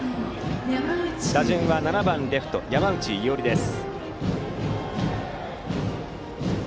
打順は７番レフト、山内伊織です。